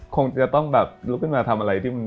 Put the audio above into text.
คงจะต้องรู้เป็นว่าทำอะไรที่มัน